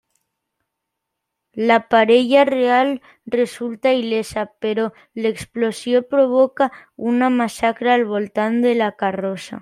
La parella real resulta il·lesa però l'explosió provoca una massacre al voltant de la carrossa.